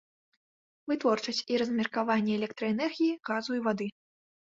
Вытворчасць і размеркаванне электраэнергіі, газу і вады.